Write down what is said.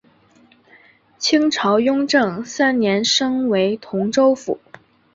清朝雍正三年升为同州府。